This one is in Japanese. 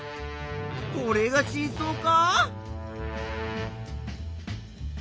これが真相か？